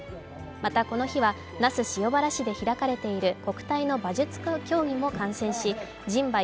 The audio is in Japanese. またこの日は那須塩原市で開かれている国体の馬術競技も観戦し人馬